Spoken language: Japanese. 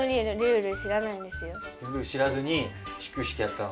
ルール知らずに始球式やったの？